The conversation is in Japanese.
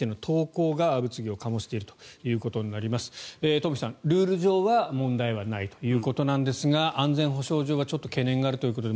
東輝さん、ルール上は問題はないということなんですが安全保障上はちょっと懸念があるということで